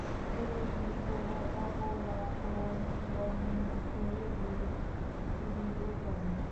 পুরোহিত ও অপরাপর বর্ণের মধ্যে ভেদ তিনি দূর করেন।